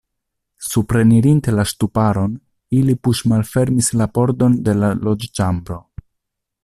Suprenirinte la ŝtuparon, ili puŝmalfermis la pordon de la loĝoĉambro.